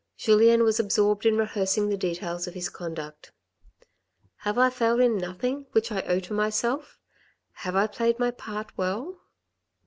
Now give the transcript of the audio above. Julien was absorbed in rehearsing the details of his conduct. " Have I failed in nothing which I owe to myself? Have I played my part well?